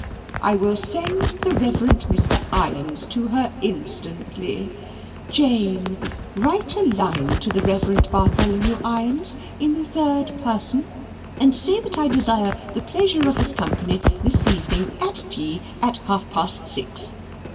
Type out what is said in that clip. I will send the Reverend Mr. Irons to her instantly. Jane, write a line to the Reverend Bartholomew Irons, in the third person, and say that I desire the pleasure of his company this evening at tea at half past six.